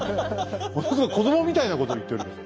ものすごく子供みたいなことを言っております。